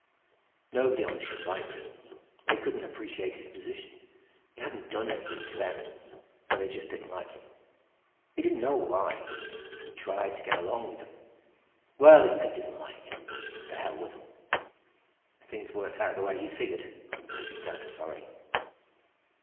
Nobody on the ship liked him; they couldn't appreciate his position. He hadn't done anything to them, but they just didn't like him. He didn't know why; he'd tried to get along with them. Well, if they didn't like him, the hell with them. If things worked out the way he figured, they'd be damned sorry.